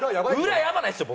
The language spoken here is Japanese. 裏やばないっすよ